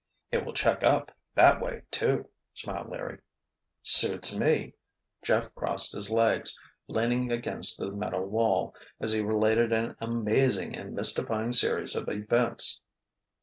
"It will check up, that way, too," smiled Larry. "Suits me!" Jeff crossed his legs, leaning against the metal wall, as he related an amazing and mystifying series of events.